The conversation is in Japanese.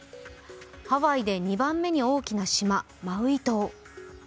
ハワイで２番目に大きな島マウイ島。